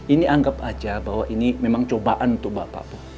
ini anggap aja bahwa ini memang cobaan untuk bapak